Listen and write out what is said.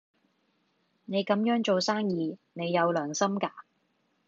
你咁樣做生意，你有冇良心㗎？